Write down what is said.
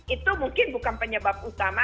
itu mungkin bukan penyebab utama